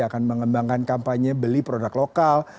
akan mengembangkan kampanye beli produk lokal